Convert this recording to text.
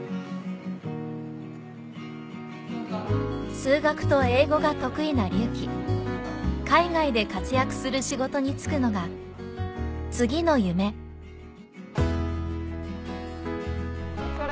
数学と英語が得意なリュウキ海外で活躍する仕事に就くのが次の夢お疲れ！